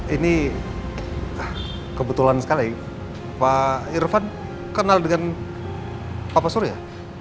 ini kebetulan sekali pak irfan kenal dengan pak surya